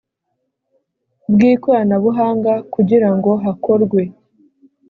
bw ikoranabuhanga kugira ngo hakorwe